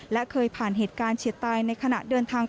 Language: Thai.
และเคยผ่านเหตุการณ์เฉียดตายในขณะเดินทาง